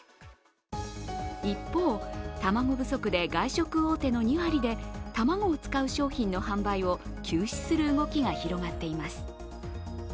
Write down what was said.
一方、卵不足で外食大手の２割で卵を使う商品の販売を休止する動きが広がっています。